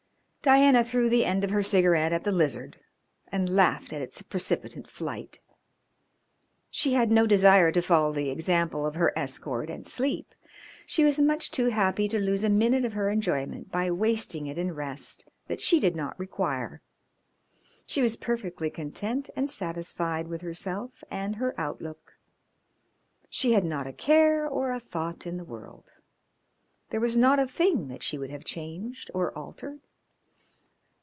Diana threw the end of her cigarette at the lizard and laughed at its precipitant flight. She had no desire to follow the example of her escort and sleep. She was much too happy to lose a minute of her enjoyment by wasting it in rest that she did not require. She was perfectly content and satisfied with herself and her outlook. She had not a care or a thought in the world. There was not a thing that she would have changed or altered.